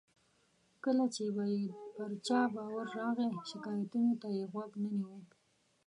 کله چې به یې پر چا باور راغی، شکایتونو ته یې غوږ نه نیو.